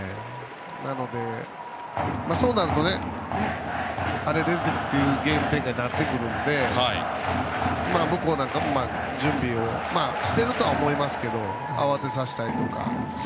なので、そうなると荒れてくるゲーム展開なので向こうも準備をしているとは思いますけど慌てさせたりとか。